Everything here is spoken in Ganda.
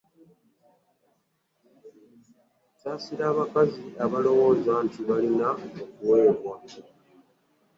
Nsaasira abakazi abalowooza nti balina kuweebwa.